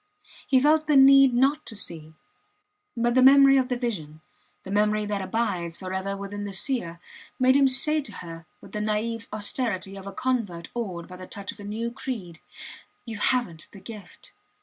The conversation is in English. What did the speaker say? He felt the need not to see. But the memory of the vision, the memory that abides forever within the seer made him say to her with the naive austerity of a convert awed by the touch of a new creed, You havent the gift.